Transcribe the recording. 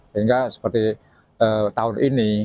sehingga seperti tahun ini